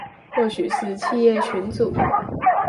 或許是企業群組